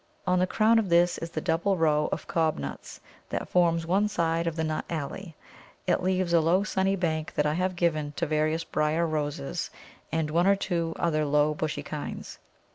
On the crown of this is the double row of cob nuts that forms one side of the nut alley. It leaves a low sunny bank that I have given to various Briar Roses and one or two other low, bushy kinds.